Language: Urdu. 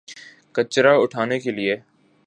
کچرا اٹھانے کے لیے۔